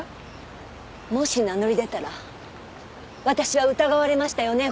もし名乗り出たら私は疑われましたよね？